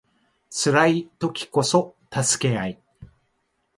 辛い時こそ助け合い